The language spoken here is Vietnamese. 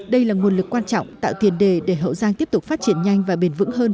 đây là nguồn lực quan trọng tạo tiền đề để hậu giang tiếp tục phát triển nhanh và bền vững hơn